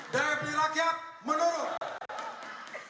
dpi rakyat menurun